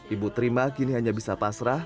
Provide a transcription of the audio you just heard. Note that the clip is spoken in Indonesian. ibu trima kini hanya bisa pasrah